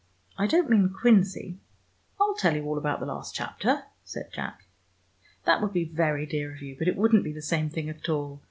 I don't mean quinzy." "I'll tell you all about the last chapter," said Jack. "That would be very dear of you, but it wouldn't be the same thing at all.